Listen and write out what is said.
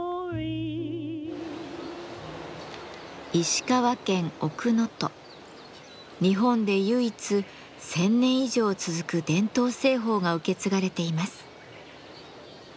塩鑑賞の小壺は日本で唯一１，０００年以上続く伝統製法が受け継がれています。